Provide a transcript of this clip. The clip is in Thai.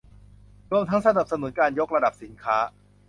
รวมทั้งสนับสนุนการยกระดับสินค้า